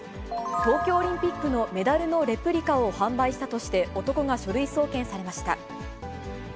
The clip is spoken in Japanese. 東京オリンピックのメダルのレプリカを販売したとして、男が書類送検されました。